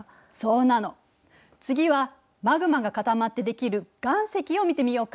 次はマグマが固まって出来る「岩石」を見てみようか。